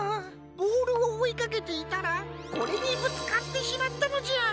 ボールをおいかけていたらこれにぶつかってしまったのじゃ。